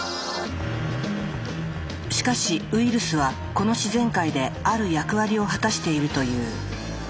しかしウイルスはこの自然界である役割を果たしているという。